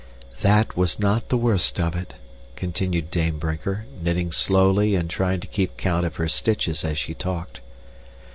"That was not the worst of it," continued Dame Brinker, knitting slowly and trying to keep count of her stitches as she talked.